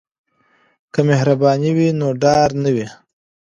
که مهرباني وي نو ډار نه وي.